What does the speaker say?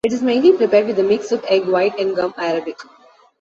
It is mainly prepared with a mix of egg white and gum arabic.